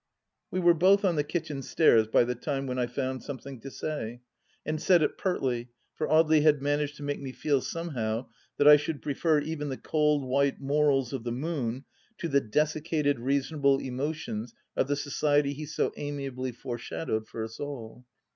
We were both on the kitchen stairs by the time when I fovmd something to say, and said it pertly, for Audely had managed to make me feel somehow that I should prefer even the cold white morals of the Moon to the desiccated reasonable emotions of the society he so amiably fore shadowed for us all.